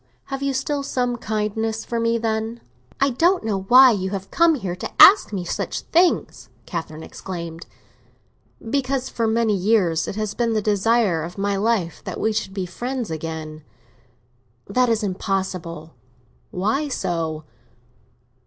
"Have you still some kindness for me, then?" "I don't know why you have come here to ask me such things!" Catherine exclaimed. "Because for many years it has been the desire of my life that we should be friends again." "That is impossible." "Why so?